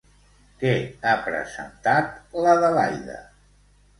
Què ha presentat l'Adelaida?